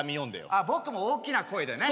ああ僕も大きな声でね。